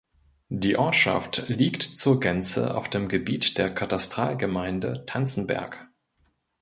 Die Ortschaft liegt zur Gänze auf dem Gebiet der Katastralgemeinde Tanzenberg.